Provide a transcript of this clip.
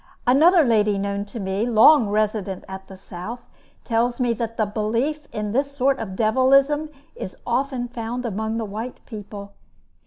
Another lady known to me, long resident at the South, tells me that the belief in this sort of devilism is often found among the white people.